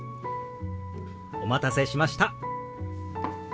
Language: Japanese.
お待たせしました。